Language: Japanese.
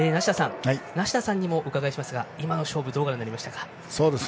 梨田さんにもお伺いしますが今の勝負どうご覧になりましたか？